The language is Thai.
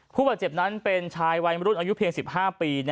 ผู้บาดเจ็บนั้นเป็นชายวัยมรุ่นอายุเพียง๑๕ปี